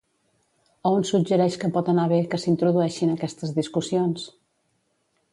A on suggereix que pot anar bé que s'introdueixin aquestes discussions?